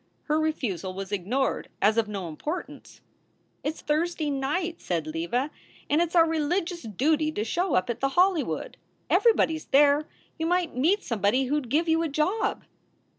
Her refusal was ignored as of no importance. "It s Thursday night," said Leva, "and it s our religious duty to show up at the Hollywood. Everybody s there. You might meet somebody who d give you a job."